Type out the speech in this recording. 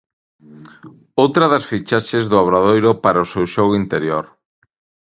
Outra das fichaxes do Obradoiro para o seu xogo interior.